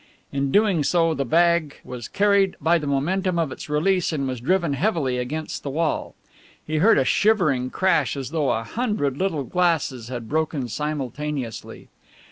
In doing so the bag was carried by the momentum of its release and was driven heavily against the wall. He heard a shivering crash as though a hundred little glasses had broken simultaneously.